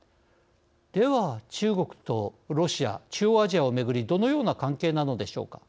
では、ロシアと中国は中央アジアをめぐりどのような関係なのでしょうか。